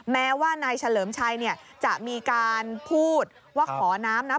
แม้ว่านายเฉลิมชัยจะมีการพูดว่าขอน้ำนะ